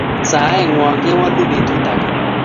Saeng'wak kewalu betut age